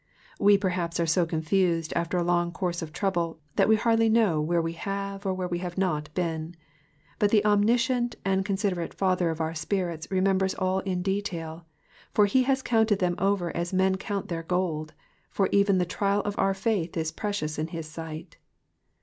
We perhaps are so confused after a loug course of trouble, that we hardly know where we have or where we have not been ; )3ut the omniscient and considerate Father of our spirits remembers all in detail, for be has counted them over as men count their gold, for even tlie trial of our faith is precious in his sight.